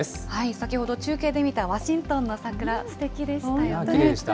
先ほど、中継で見たワシントンの桜、すてきでしたよね。